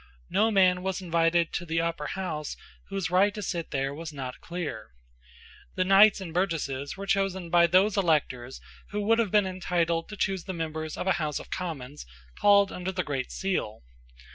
No man was invited to the Upper House whose right to sit there was not clear. The knights and burgesses were chosen by those electors who would have been entitled to choose the members of a House of Commons called under the great seal.